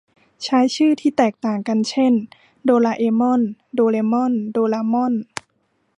ใช้ชื่อที่แตกต่างกันเช่น โดราเอมอน โดเรมอน โดรามอน